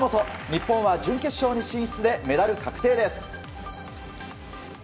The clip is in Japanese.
日本は準決勝に進出でメダル確定です。